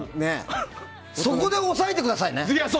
そこで抑えてくださいね！